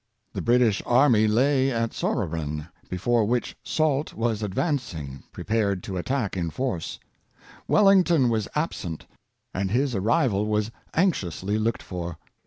The British army lay at Sauroren, before which Soult was advancing, prepared to attack in force. Wellington was absent, and his arrival was anxiously looked for.